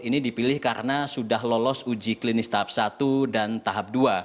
ini dipilih karena sudah lolos uji klinis tahap satu dan tahap dua